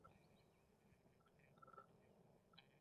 د معافیت سیستم څه دنده لري؟